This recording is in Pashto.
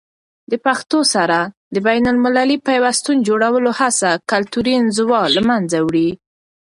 د پښتو سره د بینالمللي پیوستون جوړولو هڅه کلتوري انزوا له منځه وړي.